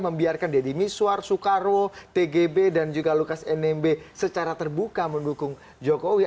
membiarkan deddy miswar soekarwo tgb dan juga lukas nmb secara terbuka mendukung jokowi